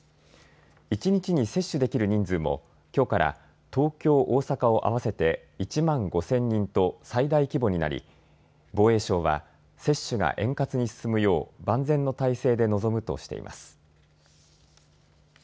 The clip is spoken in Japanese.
一日に接種できる人数もきょうから東京、大阪を合わせて１万５０００人と最大規模になり防衛省は接種が円滑に進むよう万全の体制で臨むとしています。